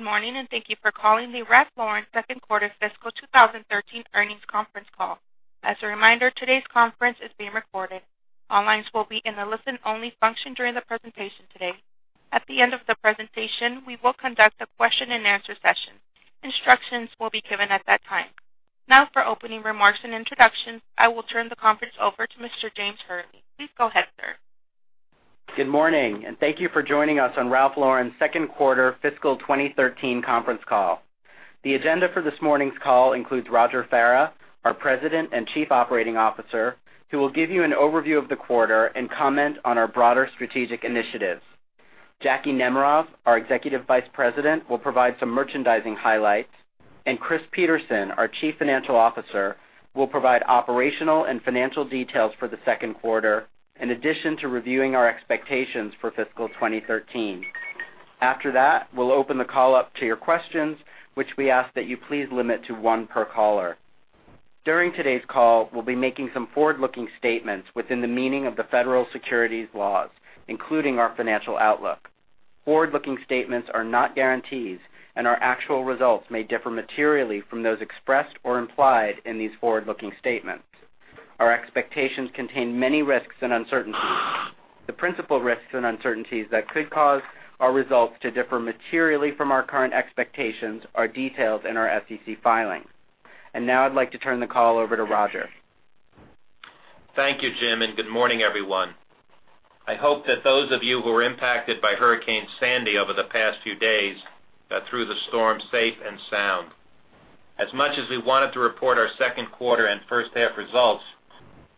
Good morning, and thank you for calling the Ralph Lauren second quarter fiscal 2013 earnings conference call. As a reminder, today's conference is being recorded. All lines will be in a listen only function during the presentation today. At the end of the presentation, we will conduct a question and answer session. Instructions will be given at that time. Now for opening remarks and introductions, I will turn the conference over to Mr. James Hurley. Please go ahead, sir. Good morning, and thank you for joining us on Ralph Lauren's second quarter fiscal 2013 conference call. The agenda for this morning's call includes Roger Farah, our President and Chief Operating Officer, who will give you an overview of the quarter and comment on our broader strategic initiatives. Jacki Nemerov, our Executive Vice President, will provide some merchandising highlights, and Chris Peterson, our Chief Financial Officer, will provide operational and financial details for the second quarter, in addition to reviewing our expectations for fiscal 2013. After that, we'll open the call up to your questions, which we ask that you please limit to one per caller. During today's call, we'll be making some forward-looking statements within the meaning of the Federal securities laws, including our financial outlook. Forward-looking statements are not guarantees, and our actual results may differ materially from those expressed or implied in these forward-looking statements. Our expectations contain many risks and uncertainties. The principal risks and uncertainties that could cause our results to differ materially from our current expectations are detailed in our SEC filings. Now I'd like to turn the call over to Roger. Thank you, Jim, and good morning, everyone. I hope that those of you who were impacted by Hurricane Sandy over the past few days are through the storm safe and sound. As much as we wanted to report our second quarter and first half results,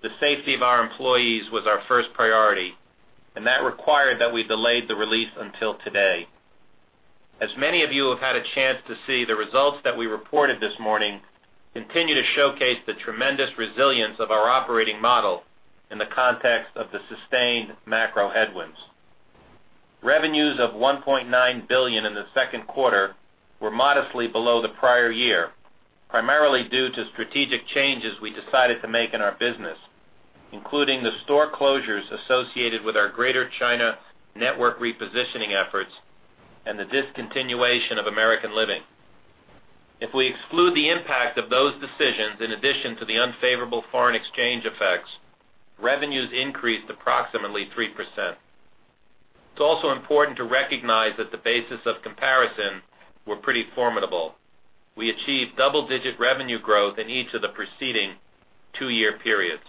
the safety of our employees was our first priority, and that required that we delayed the release until today. As many of you have had a chance to see, the results that we reported this morning continue to showcase the tremendous resilience of our operating model in the context of the sustained macro headwinds. Revenues of $1.9 billion in the second quarter were modestly below the prior year, primarily due to strategic changes we decided to make in our business, including the store closures associated with our greater China network repositioning efforts and the discontinuation of American Living. If we exclude the impact of those decisions in addition to the unfavorable foreign exchange effects, revenues increased approximately 3%. It's also important to recognize that the basis of comparison were pretty formidable. We achieved double-digit revenue growth in each of the preceding two-year periods.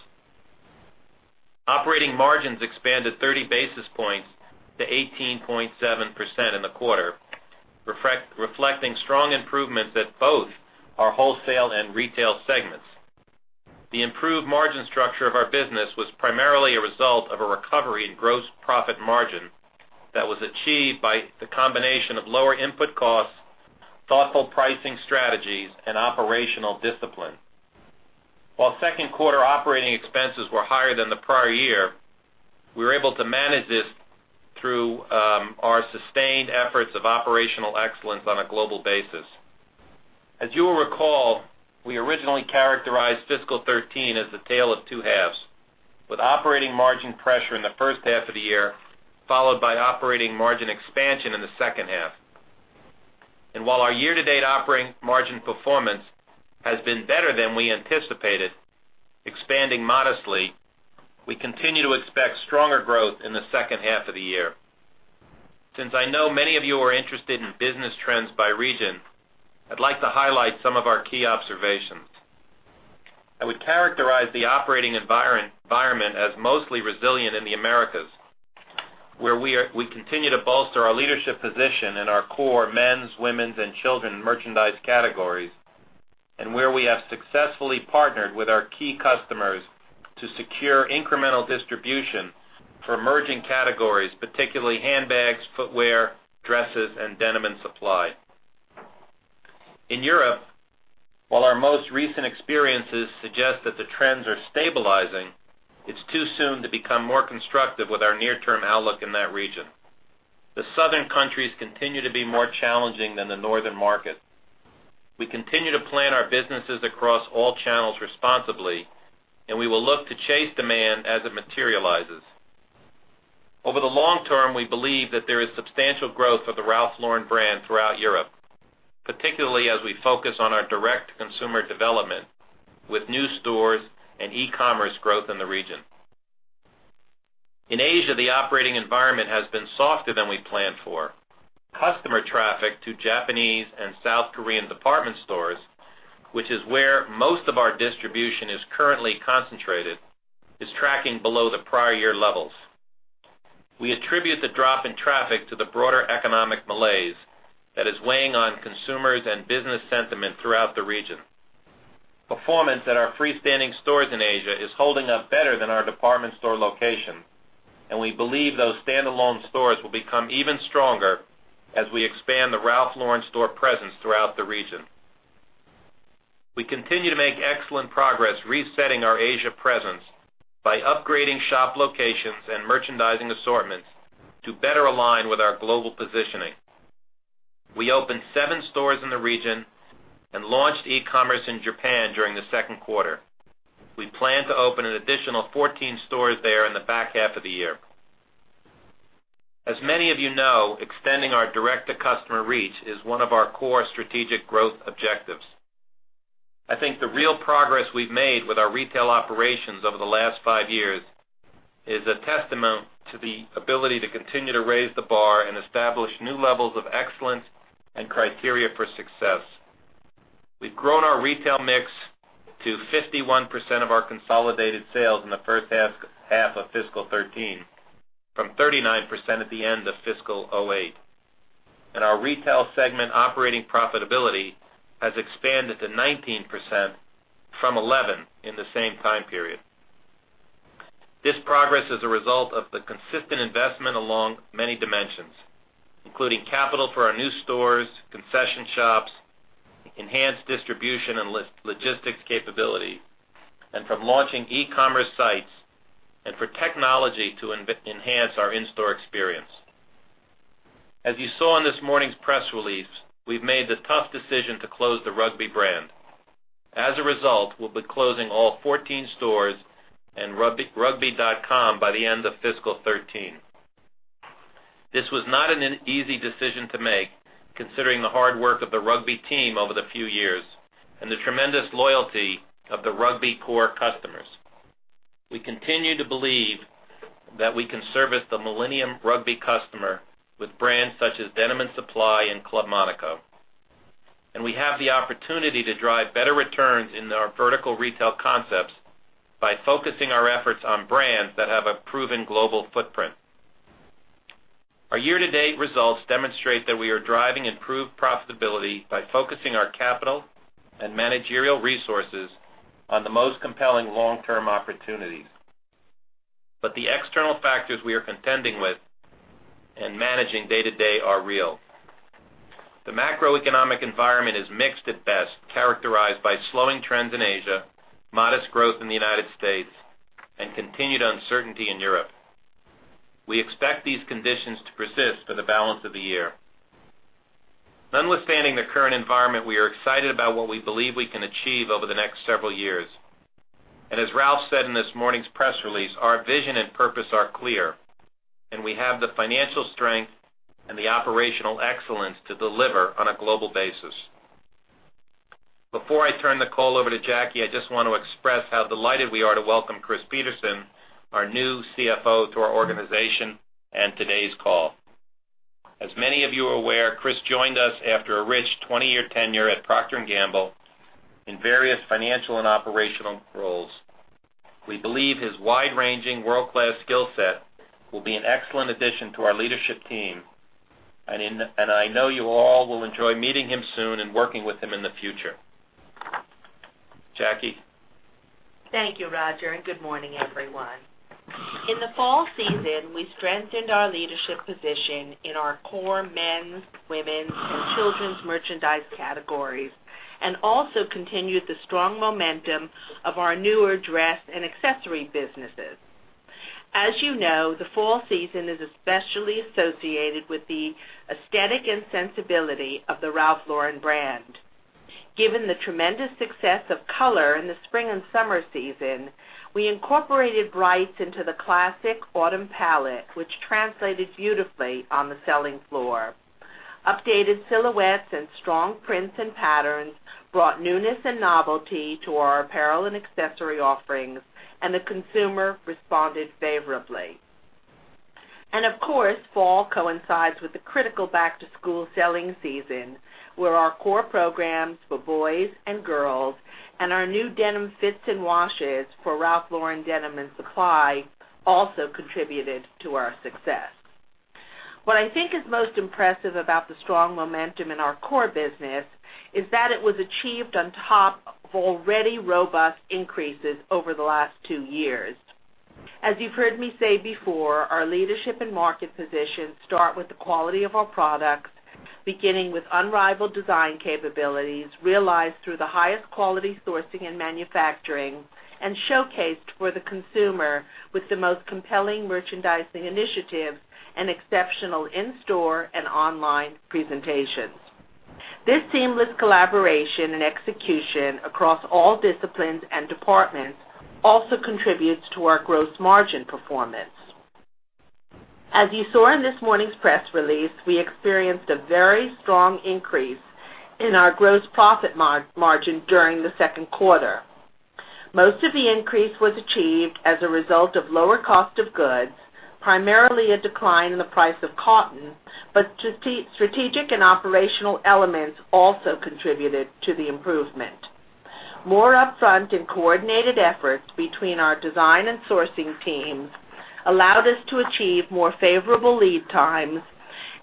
Operating margins expanded 30 basis points to 18.7% in the quarter, reflecting strong improvements at both our wholesale and retail segments. The improved margin structure of our business was primarily a result of a recovery in gross profit margin that was achieved by the combination of lower input costs, thoughtful pricing strategies, and operational discipline. While second quarter operating expenses were higher than the prior year, we were able to manage this through our sustained efforts of operational excellence on a global basis. As you will recall, we originally characterized fiscal 2013 as the tale of two halves, with operating margin pressure in the first half of the year, followed by operating margin expansion in the second half. While our year-to-date operating margin performance has been better than we anticipated, expanding modestly, we continue to expect stronger growth in the second half of the year. Since I know many of you are interested in business trends by region, I'd like to highlight some of our key observations. I would characterize the operating environment as mostly resilient in the Americas, where we continue to bolster our leadership position in our core men's, women's, and children merchandise categories, and where we have successfully partnered with our key customers to secure incremental distribution for emerging categories, particularly handbags, footwear, dresses, and Denim & Supply. In Europe, while our most recent experiences suggest that the trends are stabilizing, it's too soon to become more constructive with our near-term outlook in that region. The southern countries continue to be more challenging than the northern market. We continue to plan our businesses across all channels responsibly, and we will look to chase demand as it materializes. Over the long term, we believe that there is substantial growth of the Ralph Lauren brand throughout Europe, particularly as we focus on our direct consumer development with new stores and e-commerce growth in the region. In Asia, the operating environment has been softer than we planned for. Customer traffic to Japanese and South Korean department stores, which is where most of our distribution is currently concentrated, is tracking below the prior year levels. We attribute the drop in traffic to the broader economic malaise that is weighing on consumers and business sentiment throughout the region. Performance at our freestanding stores in Asia is holding up better than our department store location, and we believe those standalone stores will become even stronger as we expand the Ralph Lauren store presence throughout the region. We continue to make excellent progress resetting our Asia presence by upgrading shop locations and merchandising assortments to better align with our global positioning. We opened seven stores in the region and launched e-commerce in Japan during the second quarter. We plan to open an additional 14 stores there in the back half of the year. As many of you know, extending our direct-to-customer reach is one of our core strategic growth objectives. I think the real progress we've made with our retail operations over the last five years is a testament to the ability to continue to raise the bar and establish new levels of excellence and criteria for success. We've grown our retail mix to 51% of our consolidated sales in the first half of fiscal 2013, from 39% at the end of fiscal 2008. Our retail segment operating profitability has expanded to 19% from 11% in the same time period. This progress is a result of the consistent investment along many dimensions, including capital for our new stores, concession shops, enhanced distribution and logistics capability, and from launching e-commerce sites, and for technology to enhance our in-store experience. As you saw in this morning's press release, we've made the tough decision to close the Rugby brand. As a result, we'll be closing all 14 stores and rugby.com by the end of fiscal 2013. This was not an easy decision to make, considering the hard work of the Rugby team over the few years and the tremendous loyalty of the millennial Rugby customers. We continue to believe that we can service the millennial Rugby customer with brands such as Denim & Supply and Club Monaco, and we have the opportunity to drive better returns in our vertical retail concepts by focusing our efforts on brands that have a proven global footprint. Our year-to-date results demonstrate that we are driving improved profitability by focusing our capital and managerial resources on the most compelling long-term opportunities. The external factors we are contending with and managing day to day are real. The macroeconomic environment is mixed at best, characterized by slowing trends in Asia, modest growth in the U.S., and continued uncertainty in Europe. We expect these conditions to persist for the balance of the year. Notwithstanding the current environment, we are excited about what we believe we can achieve over the next several years. As Ralph said in this morning's press release, our vision and purpose are clear, and we have the financial strength and the operational excellence to deliver on a global basis. Before I turn the call over to Jacki, I just want to express how delighted we are to welcome Chris Peterson, our new CFO, to our organization and today's call. As many of you are aware, Chris joined us after a rich 20-year tenure at Procter & Gamble in various financial and operational roles. We believe his wide-ranging, world-class skill set will be an excellent addition to our leadership team. I know you all will enjoy meeting him soon and working with him in the future. Jacki. Thank you, Roger, and good morning, everyone. In the fall season, we strengthened our leadership position in our core men's, women's, and children's merchandise categories, and also continued the strong momentum of our newer dress and accessory businesses. As you know, the fall season is especially associated with the aesthetic and sensibility of the Ralph Lauren brand. Given the tremendous success of color in the spring and summer season, we incorporated brights into the classic autumn palette, which translated beautifully on the selling floor. Updated silhouettes and strong prints and patterns brought newness and novelty to our apparel and accessory offerings, and the consumer responded favorably. And of course, fall coincides with the critical back-to-school selling season, where our core programs for boys and girls, and our new denim fits and washes for Ralph Lauren Denim & Supply also contributed to our success. What I think is most impressive about the strong momentum in our core business is that it was achieved on top of already robust increases over the last two years. As you've heard me say before, our leadership and market position start with the quality of our products, beginning with unrivaled design capabilities realized through the highest quality sourcing and manufacturing, and showcased for the consumer with the most compelling merchandising initiatives and exceptional in-store and online presentations. This seamless collaboration and execution across all disciplines and departments also contributes to our gross margin performance. As you saw in this morning's press release, we experienced a very strong increase in our gross profit margin during the second quarter. Most of the increase was achieved as a result of lower cost of goods, primarily a decline in the price of cotton, but strategic and operational elements also contributed to the improvement. More upfront and coordinated efforts between our design and sourcing teams allowed us to achieve more favorable lead times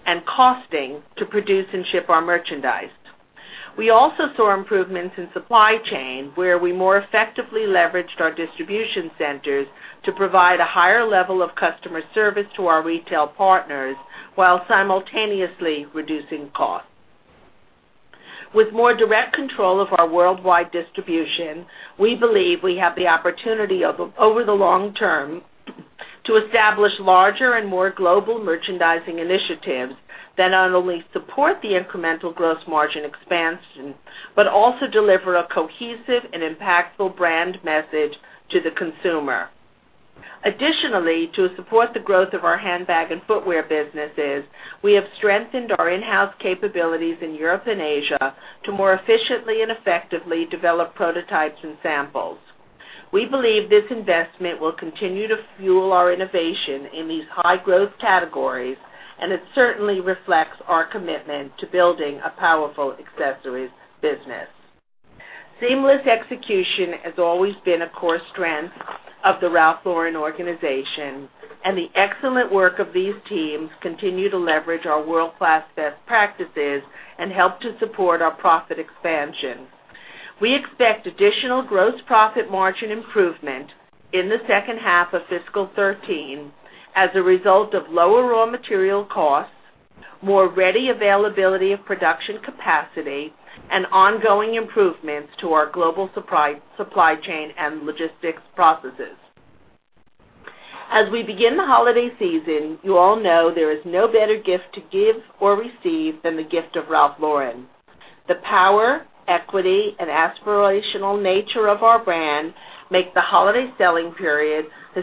and costing to produce and ship our merchandise. We also saw improvements in supply chain, where we more effectively leveraged our distribution centers to provide a higher level of customer service to our retail partners while simultaneously reducing costs. With more direct control of our worldwide distribution, we believe we have the opportunity over the long term to establish larger and more global merchandising initiatives that not only support the incremental gross margin expansion, but also deliver a cohesive and impactful brand message to the consumer. Additionally, to support the growth of our handbag and footwear businesses, we have strengthened our in-house capabilities in Europe and Asia to more efficiently and effectively develop prototypes and samples. We believe this investment will continue to fuel our innovation in these high-growth categories, and it certainly reflects our commitment to building a powerful accessories business. Seamless execution has always been a core strength of the Ralph Lauren organization, and the excellent work of these teams continue to leverage our world-class best practices and help to support our profit expansion. We expect additional gross profit margin improvement in the second half of fiscal 2013 as a result of lower raw material costs, more ready availability of production capacity, and ongoing improvements to our global supply chain and logistics processes. As we begin the holiday season, you all know there is no better gift to give or receive than the gift of Ralph Lauren. The power, equity, and aspirational nature of our brand make the holiday selling period a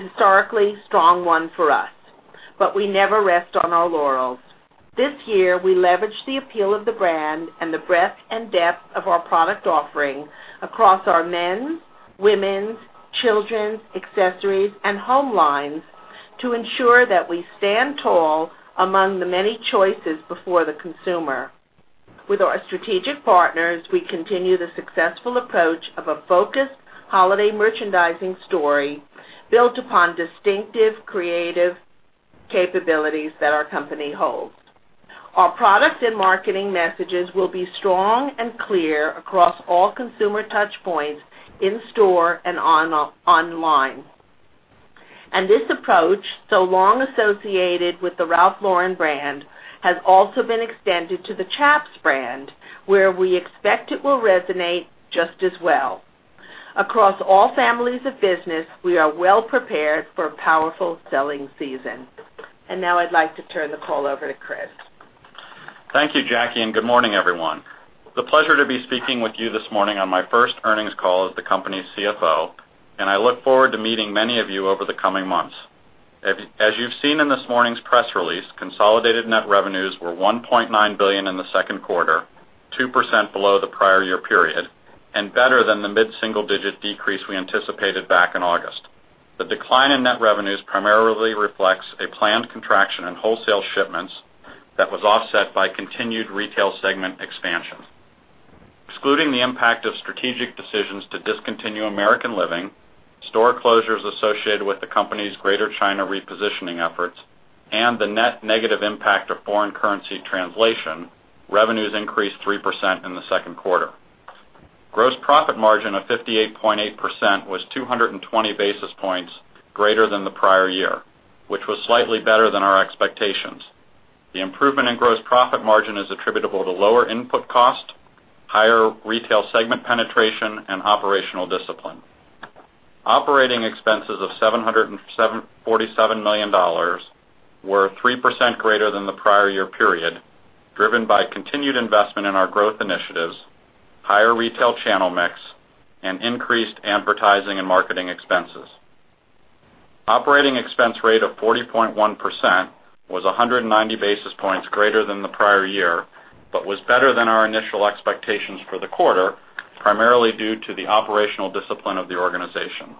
historically strong one for us. We never rest on our laurels. This year, we leveraged the appeal of the brand and the breadth and depth of our product offering across our men's, women's, children's, accessories, and home lines to ensure that we stand tall among the many choices before the consumer. With our strategic partners, we continue the successful approach of a focused holiday merchandising story built upon distinctive creative capabilities that our company holds. Our product and marketing messages will be strong and clear across all consumer touch points in-store and online. This approach, so long associated with the Ralph Lauren brand, has also been extended to the Chaps brand, where we expect it will resonate just as well. Across all families of business, we are well prepared for a powerful selling season. Now I'd like to turn the call over to Chris. Thank you, Jacki, and good morning, everyone. It's a pleasure to be speaking with you this morning on my first earnings call as the company's CFO. I look forward to meeting many of you over the coming months. As you've seen in this morning's press release, consolidated net revenues were $1.9 billion in the second quarter, 2% below the prior year period, and better than the mid-single-digit decrease we anticipated back in August. The decline in net revenues primarily reflects a planned contraction in wholesale shipments that was offset by continued retail segment expansion. Excluding the impact of strategic decisions to discontinue American Living, store closures associated with the company's greater China repositioning efforts, and the net negative impact of foreign currency translation, revenues increased 3% in the second quarter. Gross profit margin of 58.8% was 220 basis points greater than the prior year, which was slightly better than our expectations. The improvement in gross profit margin is attributable to lower input cost, higher retail segment penetration, and operational discipline. Operating expenses of $747 million were 3% greater than the prior year period, driven by continued investment in our growth initiatives, higher retail channel mix, and increased advertising and marketing expenses. Operating expense rate of 40.1% was 190 basis points greater than the prior year, but was better than our initial expectations for the quarter, primarily due to the operational discipline of the organization.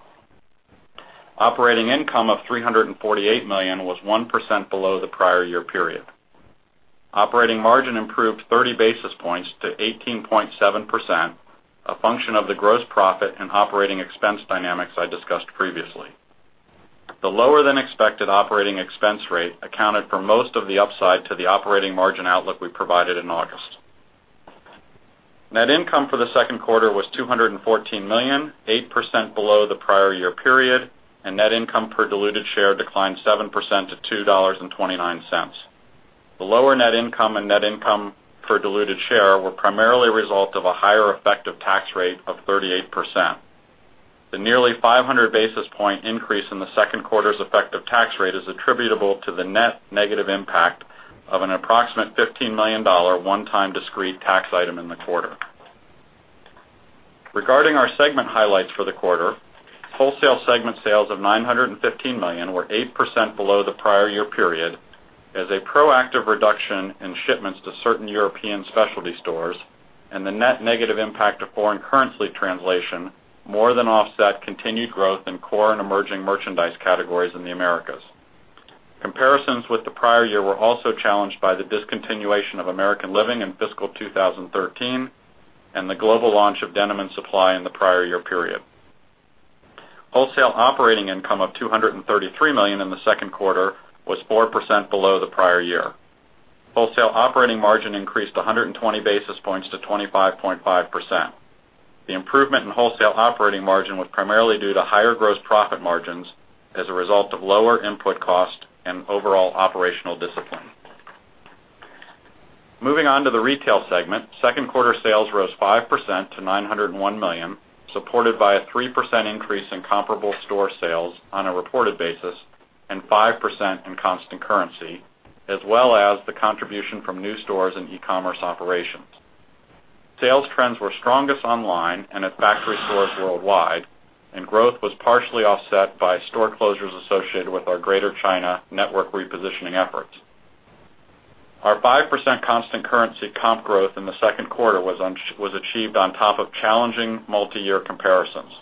Operating income of $348 million was 1% below the prior year period. Operating margin improved 30 basis points to 18.7%, a function of the gross profit and operating expense dynamics I discussed previously. The lower-than-expected operating expense rate accounted for most of the upside to the operating margin outlook we provided in August. Net income for the second quarter was $214 million, 8% below the prior year period. Net income per diluted share declined 7% to $2.29. The lower net income and net income per diluted share were primarily a result of a higher effective tax rate of 38%. The nearly 500 basis point increase in the second quarter's effective tax rate is attributable to the net negative impact of an approximate $15 million one-time discrete tax item in the quarter. Regarding our segment highlights for the quarter, wholesale segment sales of $915 million were 8% below the prior year period as a proactive reduction in shipments to certain European specialty stores, and the net negative impact of foreign currency translation more than offset continued growth in core and emerging merchandise categories in the Americas. Comparisons with the prior year were also challenged by the discontinuation of American Living in fiscal 2013 and the global launch of Denim & Supply in the prior year period. Wholesale operating income of $233 million in the second quarter was 4% below the prior year. Wholesale operating margin increased 120 basis points to 25.5%. The improvement in wholesale operating margin was primarily due to higher gross profit margins as a result of lower input cost and overall operational discipline. Moving on to the retail segment, second quarter sales rose 5% to $901 million, supported by a 3% increase in comparable store sales on a reported basis and 5% in constant currency, as well as the contribution from new stores and e-commerce operations. Sales trends were strongest online and at factory stores worldwide, and growth was partially offset by store closures associated with our Greater China network repositioning efforts. Our 5% constant currency comp growth in the second quarter was achieved on top of challenging multi-year comparisons.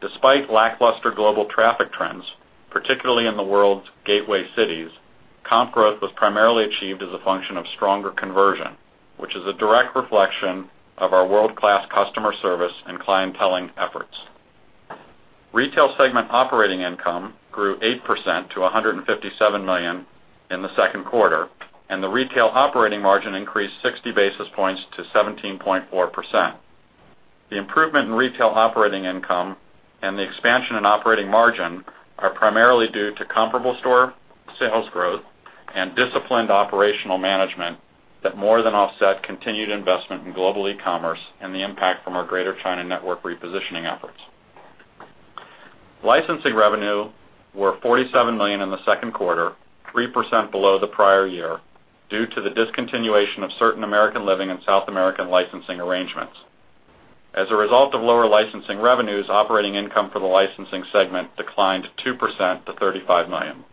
Despite lackluster global traffic trends, particularly in the world's gateway cities, comp growth was primarily achieved as a function of stronger conversion, which is a direct reflection of our world-class customer service and clienteling efforts. Retail segment operating income grew 8% to $157 million in the second quarter, and the retail operating margin increased 60 basis points to 17.4%. The improvement in retail operating income and the expansion in operating margin are primarily due to comparable store sales growth and disciplined operational management that more than offset continued investment in global e-commerce and the impact from our Greater China network repositioning efforts. Licensing revenue were $47 million in the second quarter, 3% below the prior year, due to the discontinuation of certain American Living and South American licensing arrangements. As a result of lower licensing revenues, operating income for the licensing segment declined 2% to $35 million.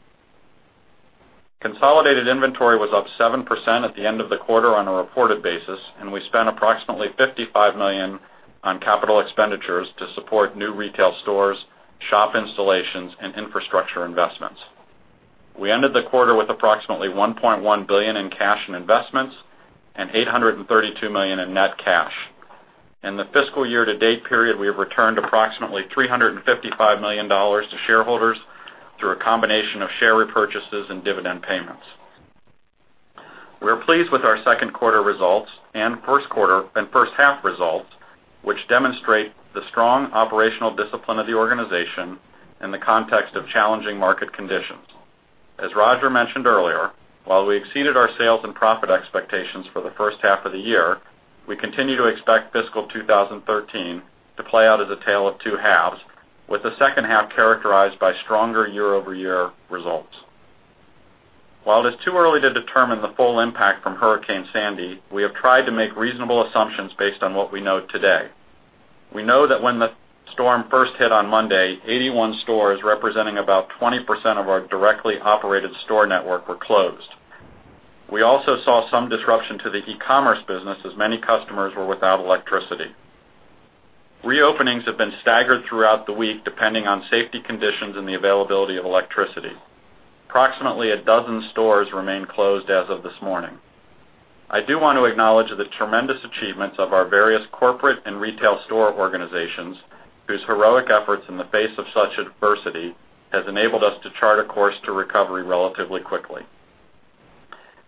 Consolidated inventory was up 7% at the end of the quarter on a reported basis, and we spent approximately $155 million on capital expenditures to support new retail stores, shop installations, and infrastructure investments. We ended the quarter with approximately $1.1 billion in cash and investments and $832 million in net cash. In the fiscal year-to-date period, we have returned approximately $355 million to shareholders through a combination of share repurchases and dividend payments. We are pleased with our second quarter results and first half results, which demonstrate the strong operational discipline of the organization in the context of challenging market conditions. As Roger mentioned earlier, while we exceeded our sales and profit expectations for the first half of the year, we continue to expect fiscal 2013 to play out as a tale of two halves, with the second half characterized by stronger year-over-year results. While it is too early to determine the full impact from Hurricane Sandy, we have tried to make reasonable assumptions based on what we know today. We know that when the storm first hit on Monday, 81 stores, representing about 20% of our directly operated store network, were closed. We also saw some disruption to the e-commerce business as many customers were without electricity. Reopenings have been staggered throughout the week, depending on safety conditions and the availability of electricity. Approximately a dozen stores remain closed as of this morning. I do want to acknowledge the tremendous achievements of our various corporate and retail store organizations, whose heroic efforts in the face of such adversity has enabled us to chart a course to recovery relatively quickly.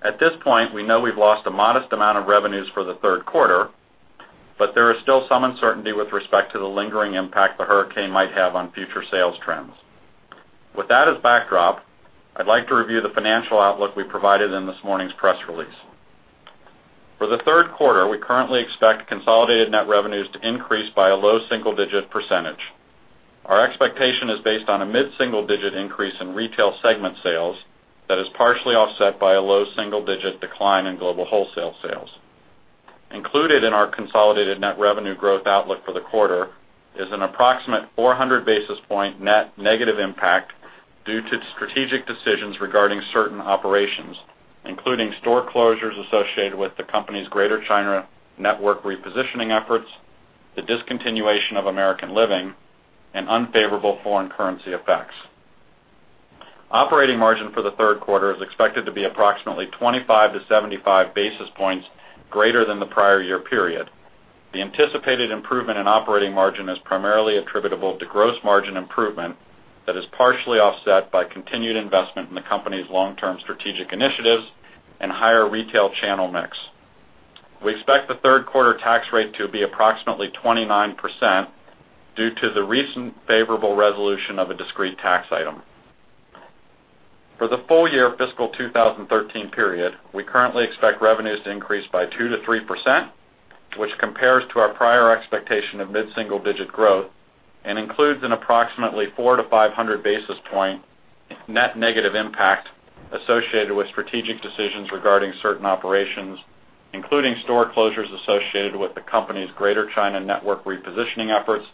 At this point, we know we've lost a modest amount of revenues for the third quarter, but there is still some uncertainty with respect to the lingering impact the Hurricane Sandy might have on future sales trends. With that as backdrop, I'd like to review the financial outlook we provided in this morning's press release. For the third quarter, we currently expect consolidated net revenues to increase by a low single-digit percentage. Our expectation is based on a mid-single-digit increase in retail segment sales that is partially offset by a low single-digit decline in global wholesale sales. Included in our consolidated net revenue growth outlook for the quarter is an approximate 400 basis point net negative impact due to strategic decisions regarding certain operations, including store closures associated with the company's Greater China network repositioning efforts, the discontinuation of American Living, and unfavorable foreign currency effects. Operating margin for the third quarter is expected to be approximately 25-75 basis points greater than the prior year period. The anticipated improvement in operating margin is primarily attributable to gross margin improvement that is partially offset by continued investment in the company's long-term strategic initiatives and higher retail channel mix. We expect the third quarter tax rate to be approximately 29% due to the recent favorable resolution of a discrete tax item. For the full-year fiscal 2013 period, we currently expect revenues to increase by 2%-3%, which compares to our prior expectation of mid-single-digit growth and includes an approximately 400-500 basis point net negative impact associated with strategic decisions regarding certain operations, including store closures associated with the company's Greater China network repositioning efforts,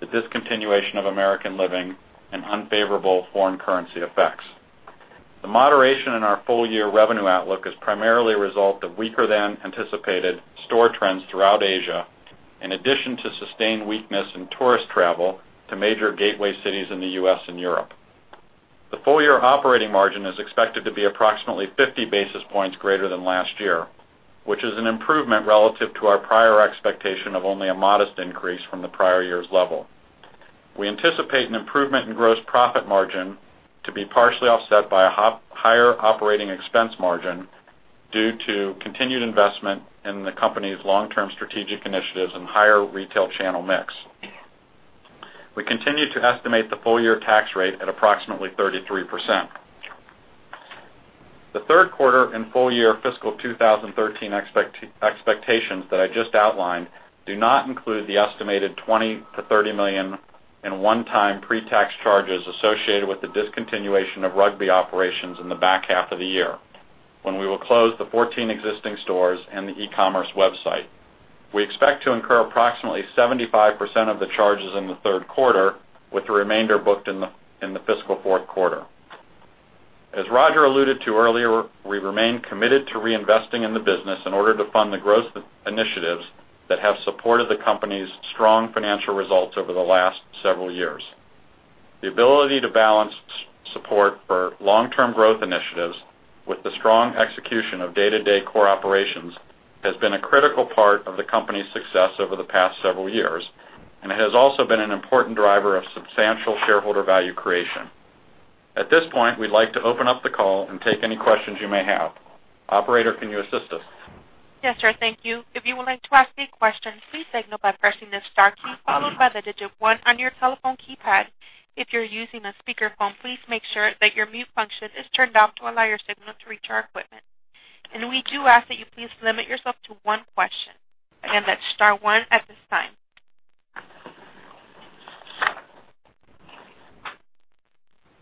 the discontinuation of American Living, and unfavorable foreign currency effects. The moderation in our full-year revenue outlook is primarily a result of weaker-than-anticipated store trends throughout Asia, in addition to sustained weakness in tourist travel to major gateway cities in the U.S. and Europe. The full-year operating margin is expected to be approximately 50 basis points greater than last year, which is an improvement relative to our prior expectation of only a modest increase from the prior year's level. We anticipate an improvement in gross profit margin to be partially offset by a higher operating expense margin due to continued investment in the company's long-term strategic initiatives and higher retail channel mix. We continue to estimate the full-year tax rate at approximately 33%. The third quarter and full-year fiscal 2013 expectations that I just outlined do not include the estimated $20 million-$30 million in one-time pre-tax charges associated with the discontinuation of Rugby operations in the back half of the year, when we will close the 14 existing stores and the e-commerce website. We expect to incur approximately 75% of the charges in the third quarter, with the remainder booked in the fiscal fourth quarter. As Roger alluded to earlier, we remain committed to reinvesting in the business in order to fund the growth initiatives that have supported the company's strong financial results over the last several years. The ability to balance support for long-term growth initiatives with the strong execution of day-to-day core operations has been a critical part of the company's success over the past several years. It has also been an important driver of substantial shareholder value creation. At this point, we'd like to open up the call and take any questions you may have. Operator, can you assist us? Yes, sir. Thank you. If you would like to ask a question, please signal by pressing the star key followed by the digit 1 on your telephone keypad. If you're using a speakerphone, please make sure that your mute function is turned off to allow your signal to reach our equipment. We do ask that you please limit yourself to one question. Again, that's star one at this time.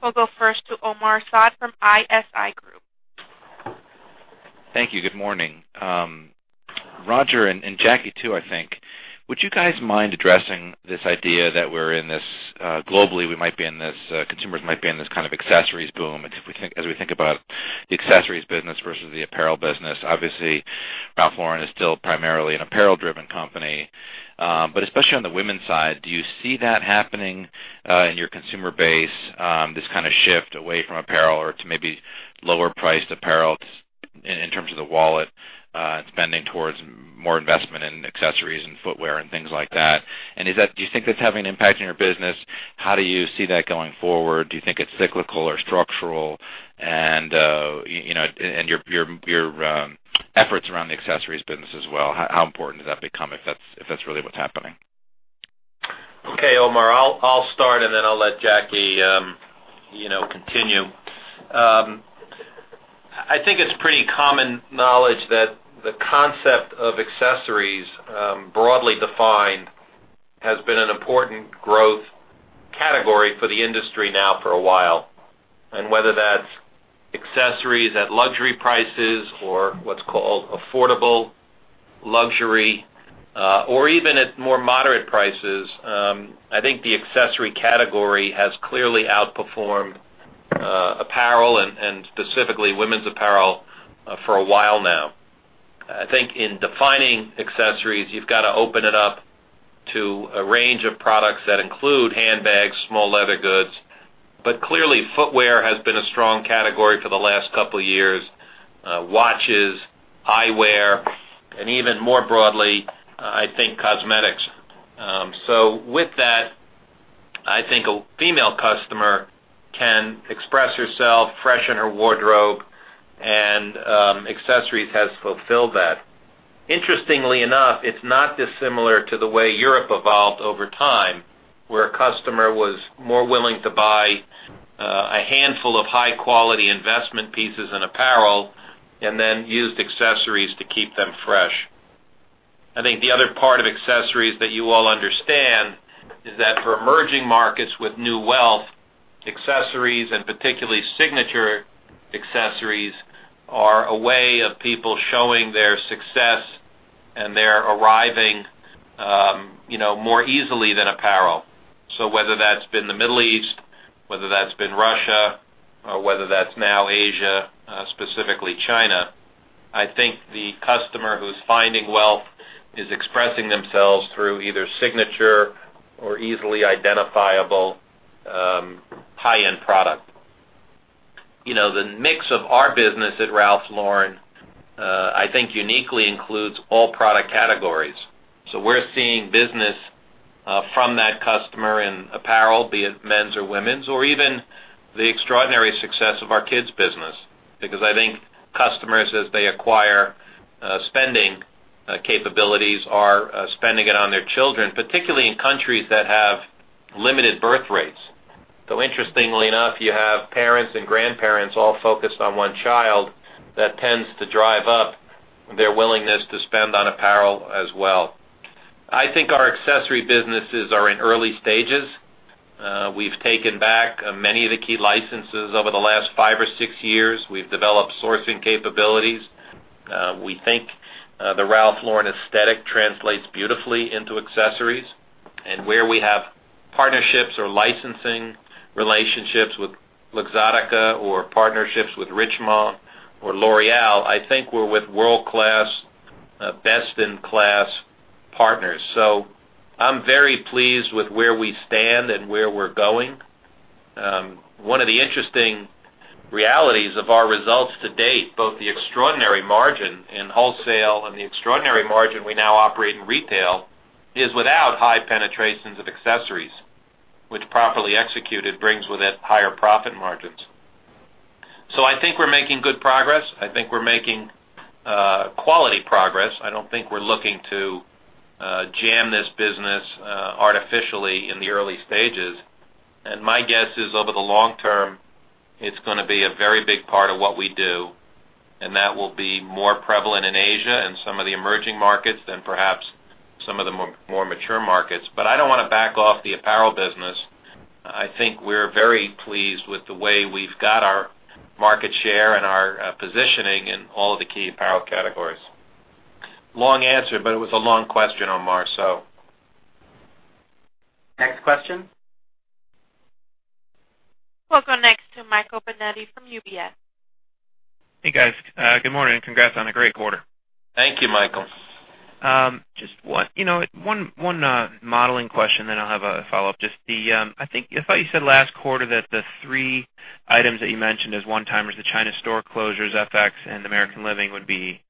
We'll go first to Omar Saad from ISI Group. Thank you. Good morning. Roger, Jacki too, I think. Would you guys mind addressing this idea that globally, consumers might be in this kind of accessories boom? As we think about the accessories business versus the apparel business, obviously Ralph Lauren is still primarily an apparel-driven company. Especially on the women's side, do you see that happening in your consumer base, this kind of shift away from apparel or to maybe lower priced apparel in terms of the wallet and spending towards more investment in accessories and footwear and things like that? Do you think that's having an impact on your business? How do you see that going forward? Do you think it's cyclical or structural? Your efforts around the accessories business as well, how important has that become, if that's really what's happening? Okay, Omar, I'll start. Then I'll let Jacki continue. I think it's pretty common knowledge that the concept of accessories broadly defined has been an important growth category for the industry now for a while. Whether that's accessories at luxury prices or what's called affordable luxury, or even at more moderate prices, I think the accessory category has clearly outperformed apparel and specifically women's apparel for a while now. I think in defining accessories, you've got to open it up to a range of products that include handbags, small leather goods. Clearly, footwear has been a strong category for the last couple of years. Watches, eyewear, and even more broadly, I think cosmetics. With that, I think a female customer can express herself, freshen her wardrobe, and accessories has fulfilled that. Interestingly enough, it's not dissimilar to the way Europe evolved over time, where a customer was more willing to buy a handful of high-quality investment pieces and apparel, then used accessories to keep them fresh. I think the other part of accessories that you all understand is that for emerging markets with new wealth, accessories, and particularly signature accessories, are a way of people showing their success, and they're arriving more easily than apparel. Whether that's been the Middle East, whether that's been Russia, or whether that's now Asia, specifically China, I think the customer who's finding wealth is expressing themselves through either signature or easily identifiable high-end product. The mix of our business at Ralph Lauren, I think uniquely includes all product categories. We're seeing business from that customer in apparel, be it men's or women's, or even the extraordinary success of our kids business. I think customers, as they acquire spending capabilities, are spending it on their children, particularly in countries that have limited birth rates. Interestingly enough, you have parents and grandparents all focused on one child. That tends to drive up their willingness to spend on apparel as well. I think our accessory businesses are in early stages. We've taken back many of the key licenses over the last five or six years. We've developed sourcing capabilities. We think the Ralph Lauren aesthetic translates beautifully into accessories. Where we have partnerships or licensing relationships with Luxottica or partnerships with Richemont or L'Oréal, I think we're with world-class, best-in-class partners. I'm very pleased with where we stand and where we're going. One of the interesting realities of our results to date, both the extraordinary margin in wholesale and the extraordinary margin we now operate in retail, is without high penetrations of accessories, which properly executed brings with it higher profit margins. I think we're making good progress. I think we're making quality progress. I don't think we're looking to jam this business artificially in the early stages. My guess is over the long term, it's going to be a very big part of what we do, and that will be more prevalent in Asia and some of the emerging markets than perhaps some of the more mature markets. I don't want to back off the apparel business. I think we're very pleased with the way we've got our market share and our positioning in all of the key apparel categories. Long answer, but it was a long question, Omar. Next question. We'll go next to Michael Binetti from UBS. Hey, guys. Good morning. Congrats on a great quarter. Thank you, Michael. Just one modeling question. I'll have a follow-up. I thought you said last quarter that the three items that you mentioned as one-timers, the China store closures, FX, and American Living would be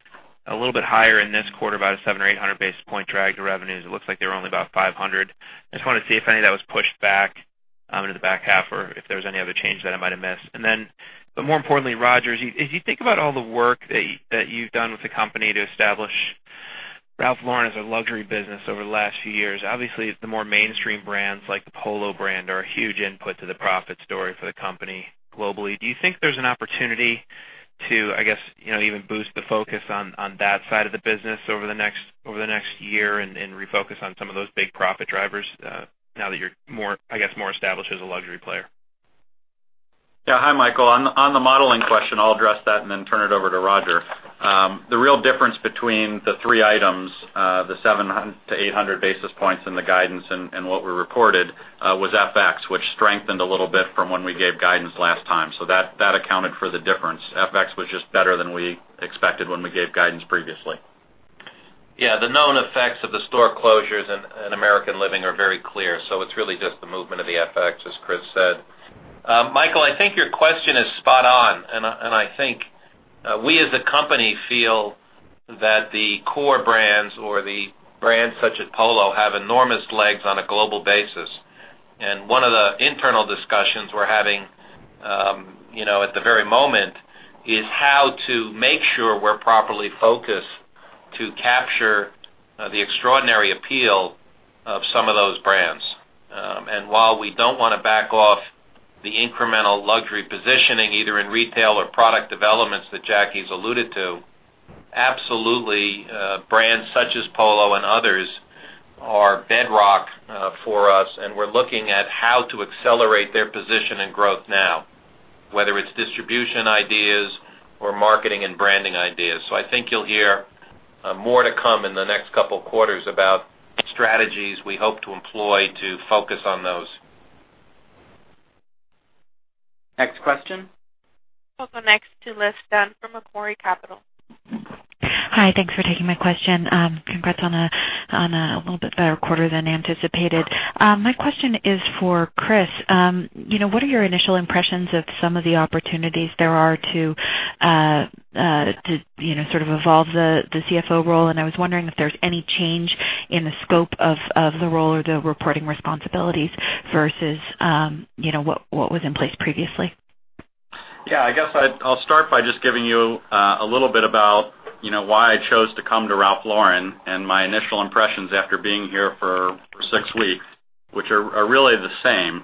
a little bit higher in this quarter, about a 700 or 800 basis point drag to revenues. It looks like they were only about 500 basis points. I just wanted to see if any of that was pushed back into the back half, or if there's any other change that I might have missed. More importantly, Roger, as you think about all the work that you've done with the company to establish Ralph Lauren as a luxury business over the last few years, obviously, the more mainstream brands like the Polo brand are a huge input to the profit story for the company globally. Do you think there's an opportunity to even boost the focus on that side of the business over the next year and refocus on some of those big profit drivers now that you're more established as a luxury player? Hi, Michael. On the modeling question, I'll address that and then turn it over to Roger. The real difference between the three items, the 700 to 800 basis points in the guidance and what we reported, was FX, which strengthened a little bit from when we gave guidance last time. That accounted for the difference. FX was just better than we expected when we gave guidance previously. The known effects of the store closures and American Living are very clear. It's really just the movement of the FX, as Chris said. Michael, I think your question is spot on, and I think we as a company feel that the core brands or the brands such as Polo have enormous legs on a global basis. One of the internal discussions we're having at the very moment is how to make sure we're properly focused to capture the extraordinary appeal of some of those brands. While we don't want to back off the incremental luxury positioning, either in retail or product developments that Jacki's alluded to, absolutely, brands such as Polo and others are bedrock for us. We're looking at how to accelerate their position and growth now, whether it's distribution ideas or marketing and branding ideas. I think you'll hear more to come in the next couple of quarters about strategies we hope to employ to focus on those. Next question. We'll go next to Liz Dunn from Macquarie Capital. Hi. Thanks for taking my question. Congrats on a little bit better quarter than anticipated. My question is for Chris. What are your initial impressions of some of the opportunities there are to sort of evolve the CFO role? I was wondering if there's any change in the scope of the role or the reporting responsibilities versus what was in place previously. Yeah, I guess I'll start by just giving you a little bit about why I chose to come to Ralph Lauren and my initial impressions after being here for six weeks, which are really the same.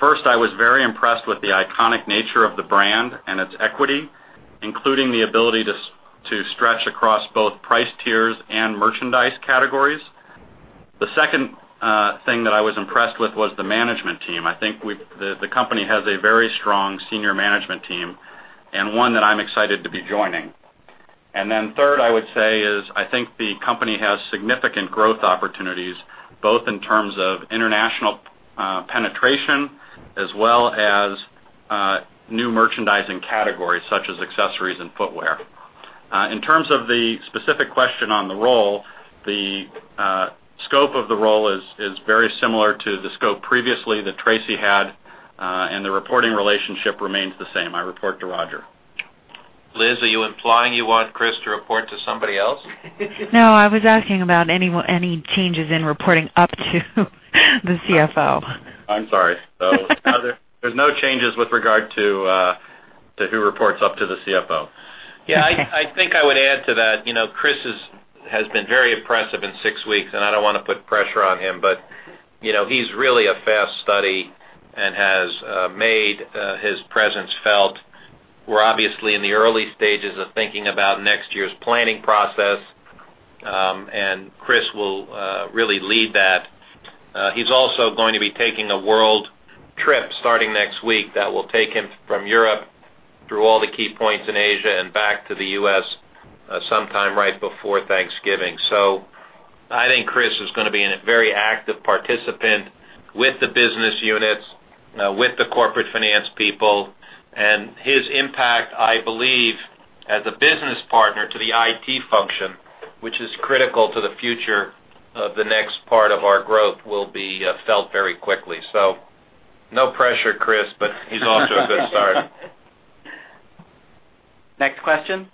First, I was very impressed with the iconic nature of the brand and its equity, including the ability to stretch across both price tiers and merchandise categories. The second thing that I was impressed with was the management team. I think the company has a very strong senior management team, and one that I'm excited to be joining. Then third, I would say is I think the company has significant growth opportunities, both in terms of international penetration as well as new merchandising categories such as accessories and footwear. In terms of the specific question on the role, the scope of the role is very similar to the scope previously that Tracey had, and the reporting relationship remains the same. I report to Roger. Liz, are you implying you want Chris to report to somebody else? No, I was asking about any changes in reporting up to the CFO. I'm sorry. There's no changes with regard to who reports up to the CFO. Okay. I think I would add to that. Chris has been very impressive in six weeks, and I don't want to put pressure on him, but he's really a fast study and has made his presence felt. We're obviously in the early stages of thinking about next year's planning process, and Chris will really lead that. He's also going to be taking a world trip starting next week that will take him from Europe through all the key points in Asia and back to the U.S. sometime right before Thanksgiving. I think Chris is going to be a very active participant with the business units, with the corporate finance people, and his impact, I believe, as a business partner to the IT function, which is critical to the future of the next part of our growth, will be felt very quickly. No pressure, Chris, but he's off to a good start. Next question.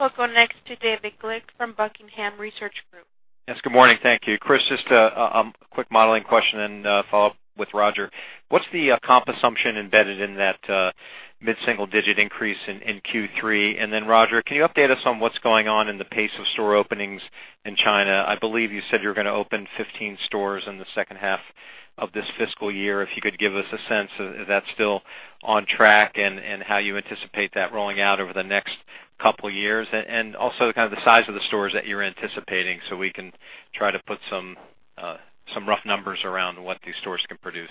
We'll go next to David Glick from Buckingham Research Group. Yes, good morning. Thank you. Chris, just a quick modeling question and follow-up with Roger. What's the comp assumption embedded in that mid-single-digit increase in Q3? Roger, can you update us on what's going on in the pace of store openings in China? I believe you said you were going to open 15 stores in the second half of this fiscal year. If you could give us a sense, is that still on track and how you anticipate that rolling out over the next couple of years, and also kind of the size of the stores that you're anticipating so we can try to put some rough numbers around what these stores can produce.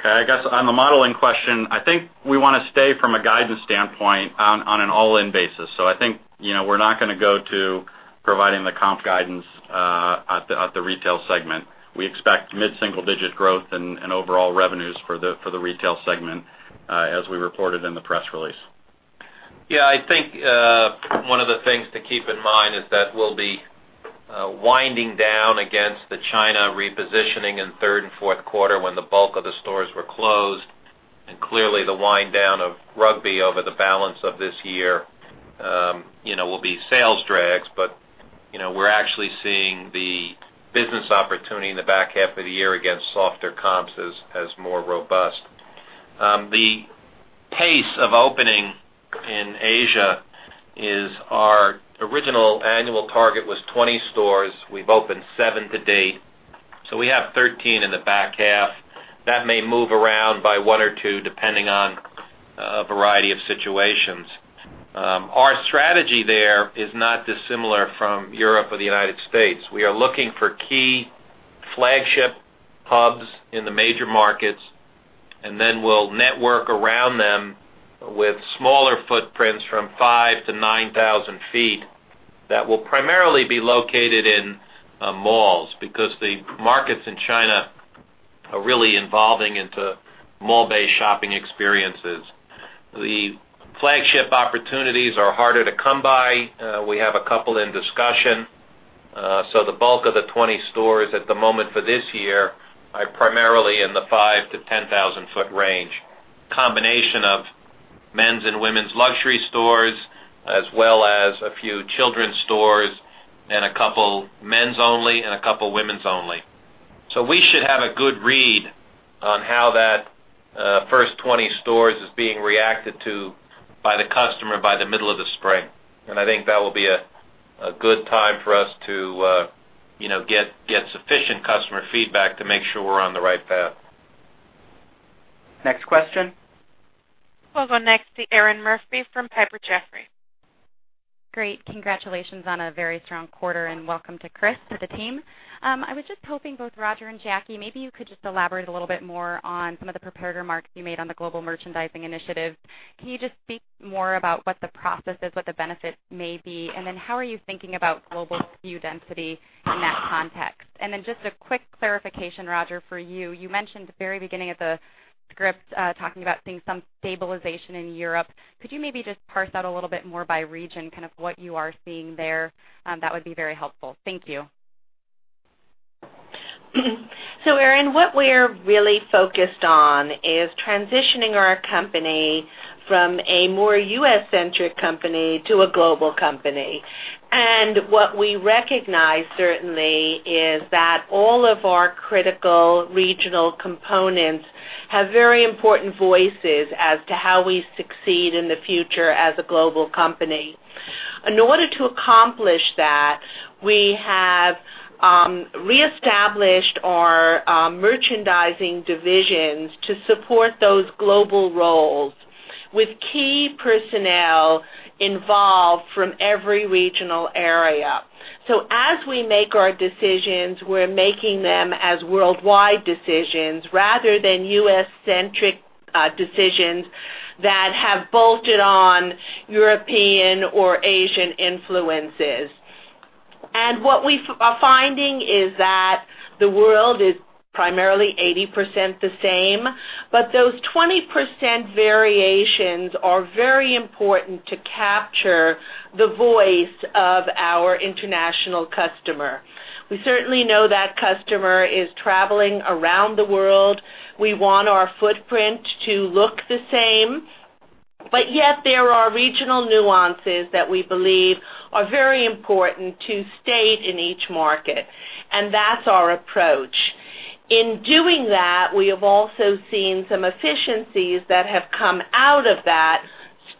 Okay. I guess on the modeling question, I think we want to stay from a guidance standpoint on an all-in basis. I think, we're not going to go to providing the comp guidance at the retail segment. We expect mid-single-digit growth and overall revenues for the retail segment as we reported in the press release. Yeah, I think one of the things to keep in mind is that we'll be winding down against the China repositioning in third and fourth quarter when the bulk of the stores were closed. Clearly the wind down of Rugby over the balance of this year will be sales drags, but we're actually seeing the business opportunity in the back half of the year against softer comps as more robust. The pace of opening in Asia is our original annual target was 20 stores. We've opened seven to date. We have 13 in the back half. That may move around by one or two, depending on a variety of situations. Our strategy there is not dissimilar from Europe or the U.S. We are looking for key flagship hubs in the major markets, then we'll network around them with smaller footprints from 5,000 to 9,000 feet that will primarily be located in malls because the markets in China are really evolving into mall-based shopping experiences. The flagship opportunities are harder to come by. We have a couple in discussion. The bulk of the 20 stores at the moment for this year are primarily in the 5,000 to 10,000-foot range. Combination of men's and women's luxury stores, as well as a few children's stores and a couple men's only and a couple of women's only. We should have a good read on how that first 20 stores is being reacted to by the customer by the middle of the spring. I think that will be a good time for us to get sufficient customer feedback to make sure we're on the right path. Next question. We'll go next to Erinn Murphy from Piper Jaffray. Great. Congratulations on a very strong quarter and welcome to Chris, to the team. I was just hoping both Roger and Jacki, you could just elaborate a little bit more on some of the prepared remarks you made on the global merchandising initiative. Can you just speak more about what the process is, what the benefits may be, how are you thinking about global SKU density in that context? Just a quick clarification, Roger, for you. You mentioned at the very beginning of the script, talking about seeing some stabilization in Europe. Could you maybe just parse out a little bit more by region, what you are seeing there? That would be very helpful. Thank you. Erinn, what we're really focused on is transitioning our company from a more U.S.-centric company to a global company. What we recognize certainly is that all of our critical regional components have very important voices as to how we succeed in the future as a global company. In order to accomplish that, we have re-established our merchandising divisions to support those global roles with key personnel involved from every regional area. As we make our decisions, we're making them as worldwide decisions rather than U.S.-centric decisions that have bolted on European or Asian influences. What we are finding is that the world is primarily 80% the same, but those 20% variations are very important to capture the voice of our international customer. We certainly know that customer is traveling around the world. We want our footprint to look the same, yet there are regional nuances that we believe are very important to state in each market. That's our approach. In doing that, we have also seen some efficiencies that have come out of that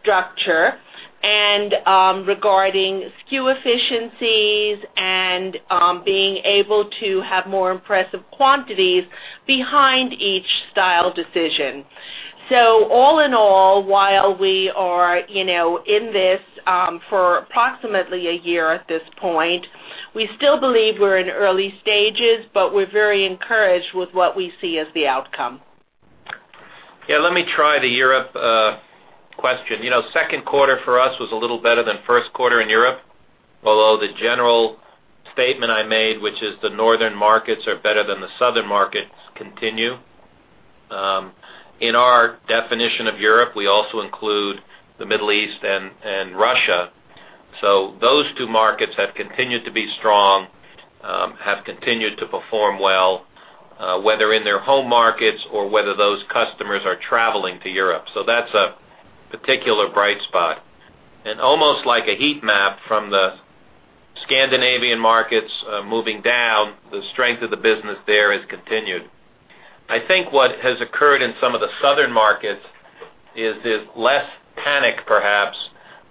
structure and regarding SKU efficiencies and being able to have more impressive quantities behind each style decision. All in all, while we are in this for approximately a year at this point, we still believe we're in early stages, but we're very encouraged with what we see as the outcome. Let me try the Europe question. Second quarter for us was a little better than first quarter in Europe, although the general statement I made, which is the northern markets are better than the southern markets, continue. In our definition of Europe, we also include the Middle East and Russia. Those two markets have continued to be strong Have continued to perform well, whether in their home markets or whether those customers are traveling to Europe. That's a particular bright spot. Almost like a heat map from the Scandinavian markets moving down, the strength of the business there has continued. I think what has occurred in some of the southern markets is less panic, perhaps,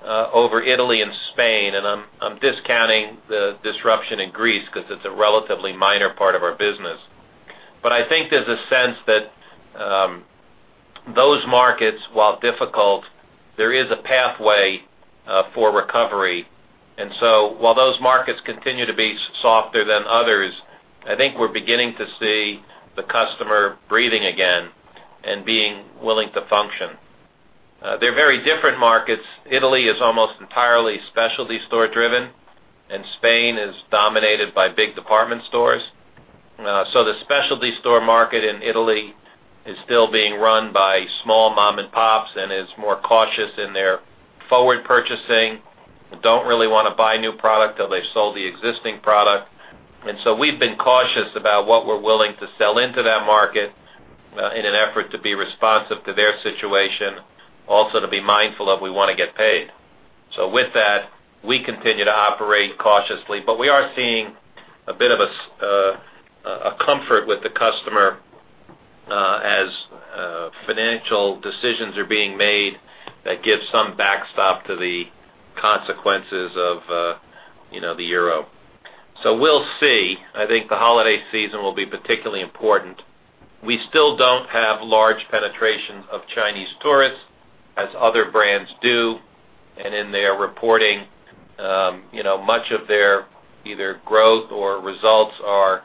over Italy and Spain. I'm discounting the disruption in Greece because it's a relatively minor part of our business. I think there's a sense that those markets, while difficult, there is a pathway for recovery. While those markets continue to be softer than others, I think we're beginning to see the customer breathing again and being willing to function. They're very different markets. Italy is almost entirely specialty store driven, and Spain is dominated by big department stores. The specialty store market in Italy is still being run by small mom and pops and is more cautious in their forward purchasing. They don't really want to buy new product till they've sold the existing product. We've been cautious about what we're willing to sell into that market in an effort to be responsive to their situation, also to be mindful of we want to get paid. With that, we continue to operate cautiously, but we are seeing a bit of a comfort with the customer as financial decisions are being made that give some backstop to the consequences of the euro. We'll see. I think the holiday season will be particularly important. We still don't have large penetration of Chinese tourists as other brands do. In their reporting, much of their either growth or results are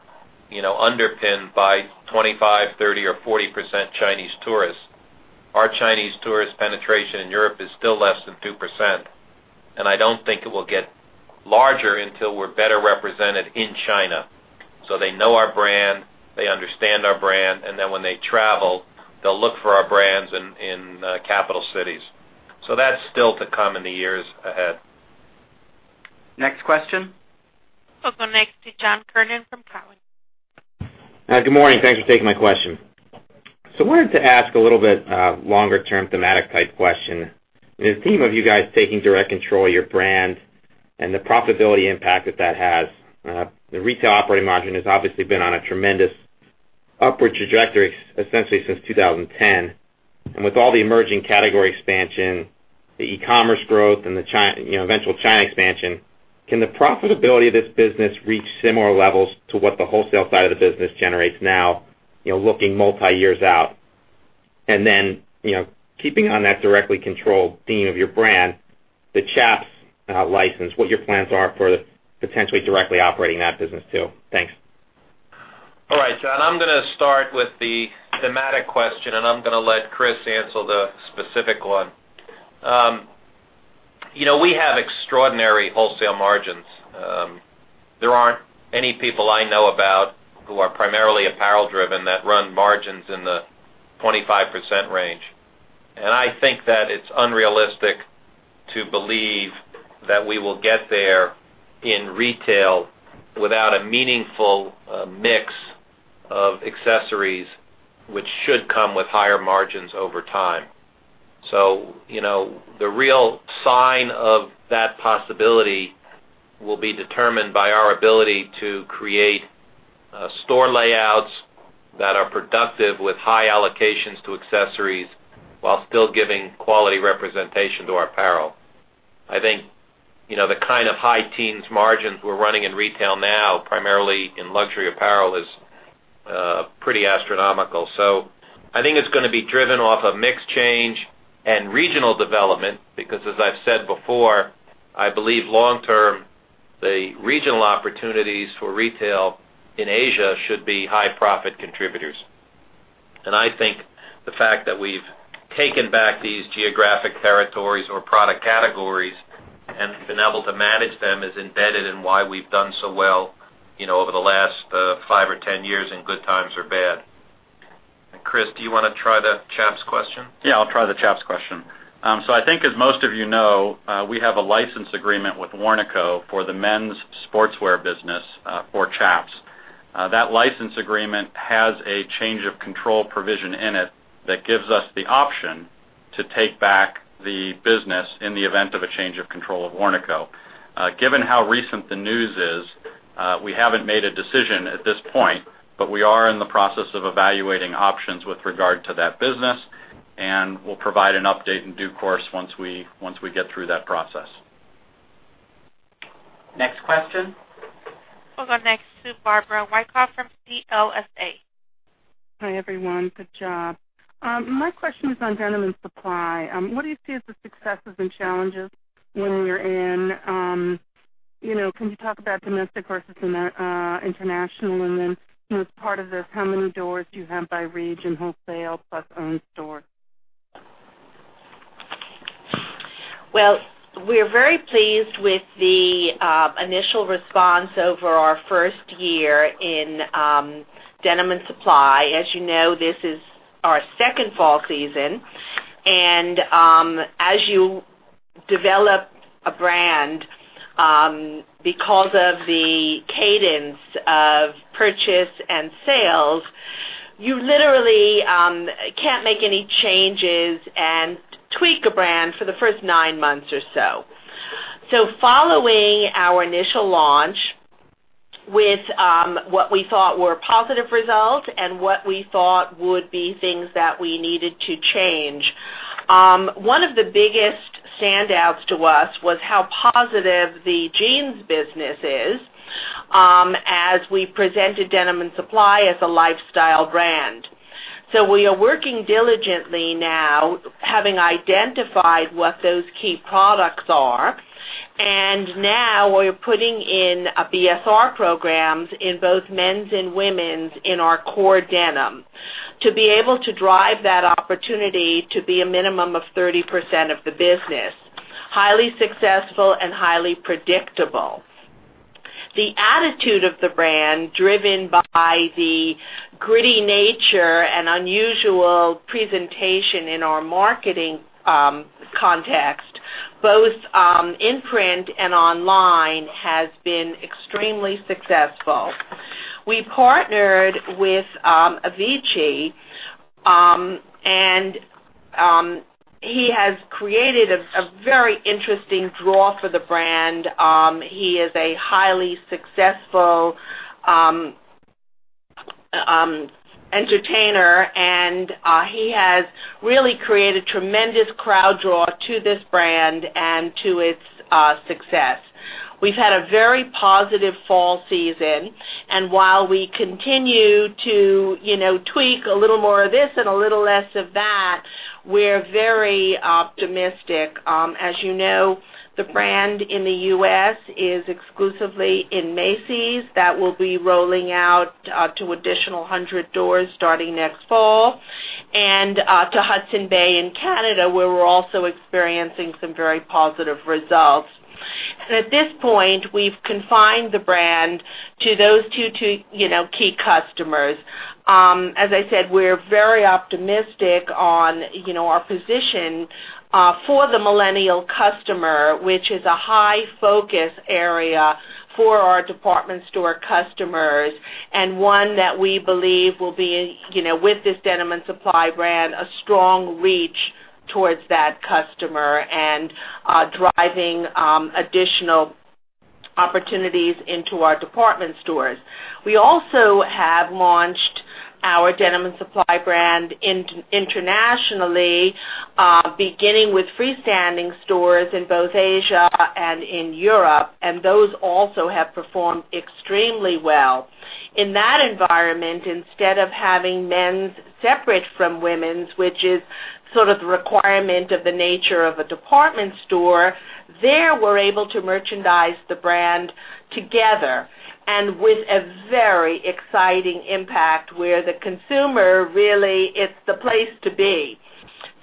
underpinned by 25%, 30% or 40% Chinese tourists. Our Chinese tourist penetration in Europe is still less than 2%, and I don't think it will get larger until we're better represented in China. They know our brand, they understand our brand, and then when they travel, they'll look for our brands in capital cities. That's still to come in the years ahead. Next question. We'll go next to John Kernan from Cowen. Good morning. Thank you for taking my question. I wanted to ask a little bit longer-term thematic type question. In the theme of you guys taking direct control of your brand and the profitability impact that that has, the retail operating margin has obviously been on a tremendous upward trajectory essentially since 2010. With all the emerging category expansion, the e-commerce growth, and the eventual China expansion, can the profitability of this business reach similar levels to what the wholesale side of the business generates now, looking multi years out? Then, keeping on that directly controlled theme of your brand, the Chaps license, what your plans are for potentially directly operating that business too? Thanks. All right, John, I'm going to start with the thematic question, and I'm going to let Chris answer the specific one. We have extraordinary wholesale margins. There aren't many people I know about who are primarily apparel driven that run margins in the 25% range. I think that it's unrealistic to believe that we will get there in retail without a meaningful mix of accessories, which should come with higher margins over time. The real sign of that possibility will be determined by our ability to create store layouts that are productive with high allocations to accessories while still giving quality representation to our apparel. I think, the kind of high teens margins we're running in retail now, primarily in luxury apparel, is pretty astronomical. I think it's going to be driven off of mix change and regional development, because as I've said before, I believe long-term, the regional opportunities for retail in Asia should be high profit contributors. I think the fact that we've taken back these geographic territories or product categories and been able to manage them is embedded in why we've done so well over the last five or 10 years in good times or bad. Chris, do you want to try the Chaps question? Yeah, I'll try the Chaps question. I think as most of you know, we have a license agreement with Warnaco for the men's sportswear business for Chaps. That license agreement has a change of control provision in it that gives us the option to take back the business in the event of a change of control of Warnaco. Given how recent the news is, we haven't made a decision at this point, we are in the process of evaluating options with regard to that business, we'll provide an update in due course once we get through that process. Next question. We'll go next to Barbara Wyckoff from CLSA. Hi, everyone. Good job. My question is on Denim & Supply. What do you see as the successes and challenges rolling out? Can you talk about domestic versus international? As part of this, how many doors do you have by region, wholesale plus own store? Well, we're very pleased with the initial response over our first year in Denim & Supply. As you know, this is our second fall season. As you develop a brand because of the cadence of purchase and sales, you literally can't make any changes and tweak a brand for the first nine months or so. Following our initial launch with what we thought were positive results and what we thought would be things that we needed to change, one of the biggest standouts to us was how positive the jeans business is as we presented Denim & Supply as a lifestyle brand. We are working diligently now, having identified what those key products are, and now we're putting in BSR programs in both men's and women's in our core denim to be able to drive that opportunity to be a minimum of 30% of the business. Highly successful and highly predictable. The attitude of the brand, driven by the gritty nature and unusual presentation in our marketing context, both in print and online, has been extremely successful. We partnered with Avicii, he has created a very interesting draw for the brand. He is a highly successful entertainer, he has really created tremendous crowd draw to this brand and to its success. We've had a very positive fall season, while we continue to tweak a little more of this and a little less of that, we're very optimistic. As you know, the brand in the U.S. is exclusively in Macy's. That will be rolling out to additional 100 stores starting next fall. To Hudson Bay in Canada, where we're also experiencing some very positive results. At this point, we've confined the brand to those two key customers. As I said, we're very optimistic on our position for the millennial customer, which is a high focus area for our department store customers, one that we believe will be, with this Denim & Supply brand, a strong reach towards that customer driving additional opportunities into our department stores. We also have launched our Denim & Supply brand internationally, beginning with freestanding stores in both Asia and in Europe, those also have performed extremely well. In that environment, instead of having men's separate from women's, which is sort of the requirement of the nature of a department store, there, we're able to merchandise the brand together with a very exciting impact, where the consumer really, it's the place to be.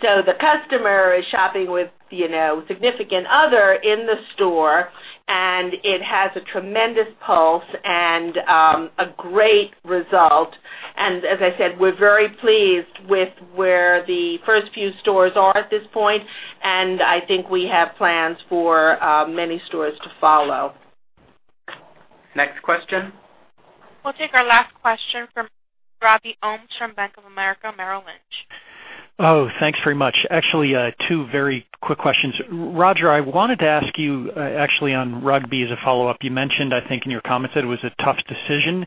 The customer is shopping with significant other in the store, it has a tremendous pulse and a great result. As I said, we're very pleased with where the first few stores are at this point, and I think we have plans for many stores to follow. Next question. We'll take our last question from Robbie Ohmes from Bank of America Merrill Lynch. Oh, thanks very much. Actually, two very quick questions. Roger, I wanted to ask you actually on Rugby as a follow-up. You mentioned, I think in your comments, that it was a tough decision.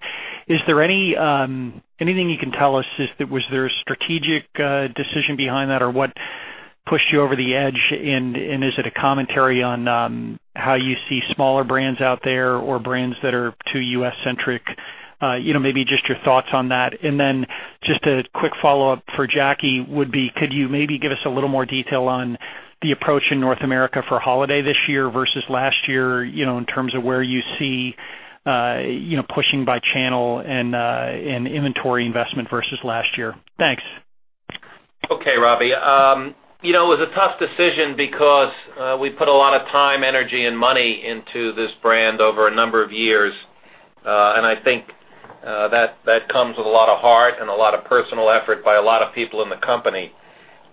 Is there anything you can tell us? Was there a strategic decision behind that, or what pushed you over the edge? Is it a commentary on how you see smaller brands out there, or brands that are too U.S.-centric? Maybe just your thoughts on that. Then just a quick follow-up for Jacki would be, could you maybe give us a little more detail on the approach in North America for holiday this year versus last year, in terms of where you see pushing by channel and inventory investment versus last year? Thanks. Okay, Robbie. It was a tough decision because we put a lot of time, energy, and money into this brand over a number of years. I think that comes with a lot of heart and a lot of personal effort by a lot of people in the company.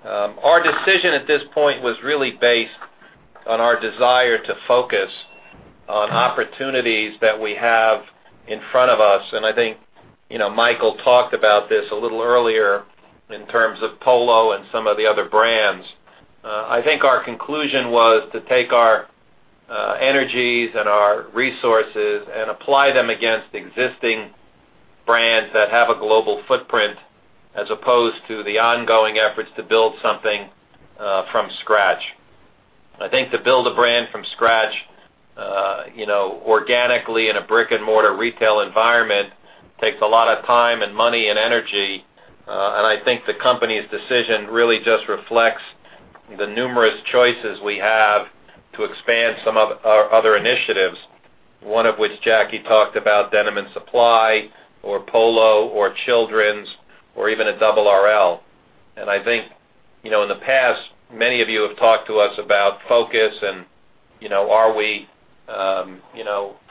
Our decision at this point was really based on our desire to focus on opportunities that we have in front of us. I think Michael talked about this a little earlier in terms of Polo and some of the other brands. I think our conclusion was to take our energies and our resources and apply them against existing brands that have a global footprint, as opposed to the ongoing efforts to build something from scratch. I think to build a brand from scratch organically in a brick-and-mortar retail environment takes a lot of time and money and energy. I think the company's decision really just reflects the numerous choices we have to expand some of our other initiatives, one of which Jacki talked about, Denim & Supply or Polo or children's or even a Double RL. I think in the past, many of you have talked to us about focus and Are we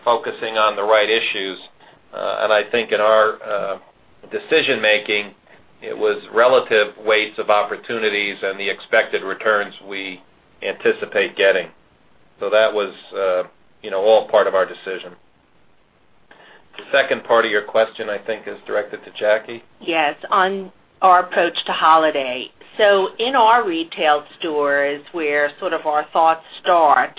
focusing on the right issues? I think in our decision-making, it was relative weights of opportunities and the expected returns we anticipate getting. That was all part of our decision. The second part of your question, I think, is directed to Jacki. Yes. On our approach to holiday. In our retail stores, where sort of our thoughts start,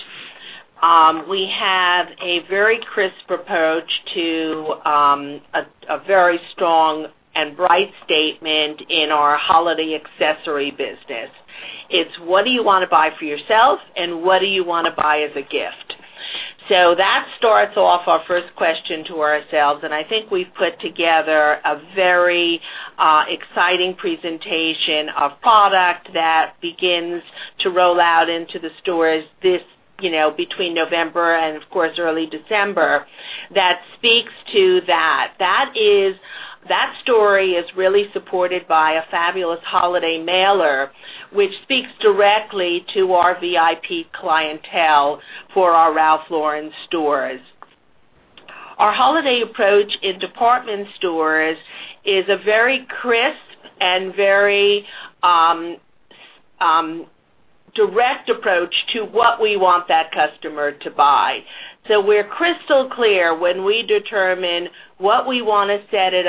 we have a very crisp approach to a very strong and bright statement in our holiday accessory business. It's what do you want to buy for yourself and what do you want to buy as a gift? That starts off our first question to ourselves, I think we've put together a very exciting presentation of product that begins to roll out into the stores between November and, of course, early December. That speaks to that. That story is really supported by a fabulous holiday mailer, which speaks directly to our VIP clientele for our Ralph Lauren stores. Our holiday approach in department stores is a very crisp and very direct approach to what we want that customer to buy. We're crystal clear when we determine what we want to set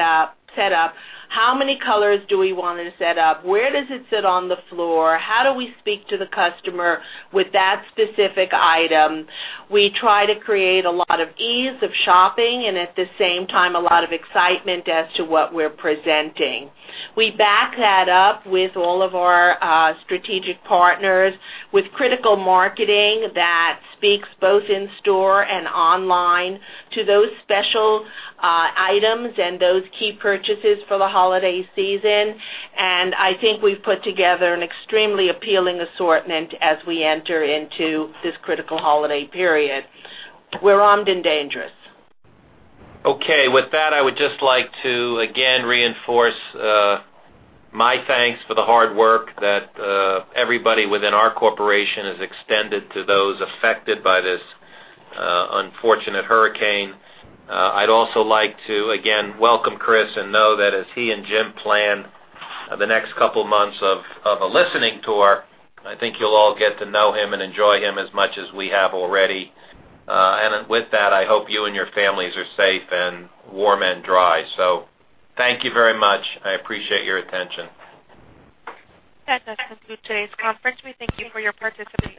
up, how many colors do we want to set up, where does it sit on the floor, how do we speak to the customer with that specific item. We try to create a lot of ease of shopping and, at the same time, a lot of excitement as to what we're presenting. We back that up with all of our strategic partners with critical marketing that speaks both in store and online to those special items and those key purchases for the holiday season. I think we've put together an extremely appealing assortment as we enter into this critical holiday period. We're armed and dangerous. With that, I would just like to, again, reinforce my thanks for the hard work that everybody within our corporation has extended to those affected by this unfortunate hurricane. I'd also like to, again, welcome Chris and know that as he and Jim plan the next couple of months of a listening tour, I think you'll all get to know him and enjoy him as much as we have already. With that, I hope you and your families are safe and warm and dry. Thank you very much. I appreciate your attention. That does conclude today's conference. We thank you for your participation